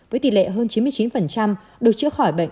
với tỷ lệ hơn chín mươi chín được chữa khỏi bệnh